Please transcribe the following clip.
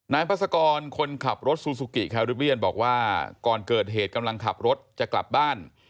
พัศกรคนขับรถซูซูกิแคริเบียนบอกว่าก่อนเกิดเหตุกำลังขับรถจะกลับบ้าน